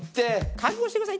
覚悟してください。